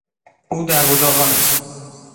او درب و داغان است.